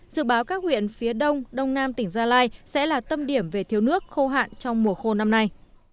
dự báo các huyện phía đông đông nam tỉnh gia lai sẽ là tâm điểm về thiếu nước khô hạn trong mùa khô năm nay